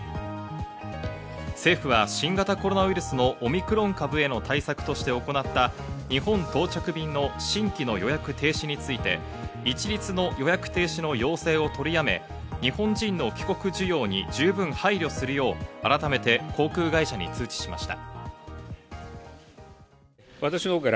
政府は新型コロナウイルスのオミクロン株への対策として行った日本到着便の新規の予約停止について一律の予約停止の要請を取り止め、日本人の帰国需要に十分配慮するよう改めて航空会社に通知しました。